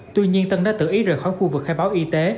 tuy nhiên tân đã tự ý rời khỏi khu vực khai báo y tế